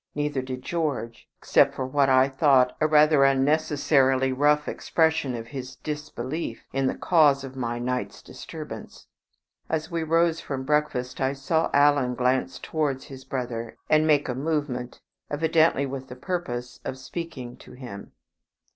Neither did George, except for what I thought a rather unnecessarily rough expression of his disbelief in the cause of my night's disturbance. As we rose from breakfast I saw Alan glance towards his brother, and make a movement, evidently with the purpose of speaking to him.